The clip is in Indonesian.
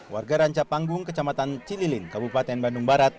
warga ranca panggung kecamatan cililin kabupaten bandung barat